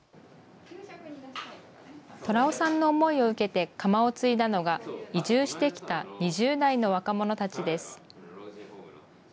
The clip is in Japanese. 虎雄さんの思いを受けて窯を継いだのが、移住してきた２０代の若者たちです。